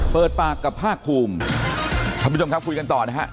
เปิดปากกับภาคภูมิท่านผู้ชมครับคุยกันต่อนะฮะ